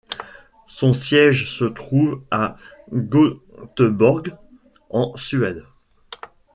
Son siège social se trouve à Göteborg, en Suède.